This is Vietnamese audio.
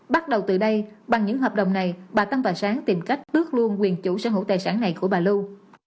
bắt đầu từ đây bằng những hợp đồng này bà tăng và sáng tìm cách tước luôn quyền chủ sở hữu tài sản này của bà lưu